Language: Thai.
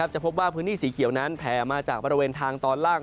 จะพบว่าพื้นที่สีเขียวนั้นแผ่มาจากบริเวณทางตอนล่าง